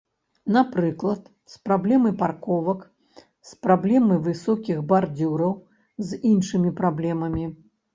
Напрыклад, з праблемай парковак, з праблемай высокіх бардзюраў, з іншымі праблемамі.